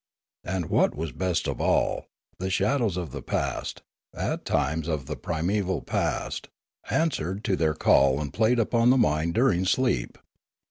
And what was best of all, the shadows of the past, at times of the primeval past, answered to their call and played upon the mind during sleep.